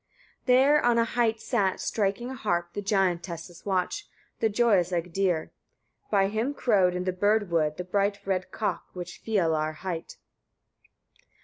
34. There on a height sat, striking a harp, the giantess's watch, the joyous Egdir; by him crowed, in the bird wood, the bright red cock, which Fialar hight.